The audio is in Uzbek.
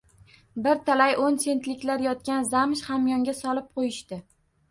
Bir talay o`n sentliklar yotgan zamsh hamyonga solib qo`yishdi